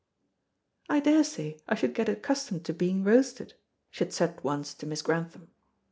"I daresay I should get accustomed to being roasted," she had said once to Miss Grantham.